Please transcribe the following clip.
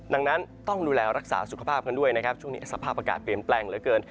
ดังนั้นต้องดูแลรักษาสุขภาพกันด้วยนะครับช่วงนี้สภาพอากาศเปลี่ยนแปลงเหลือเกิน